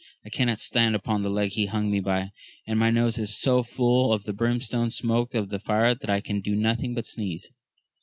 I cannot stand upon the leg he hung me by, and my nose is so full of the brimstone smoke of that fire that I can do nothing but sneeze.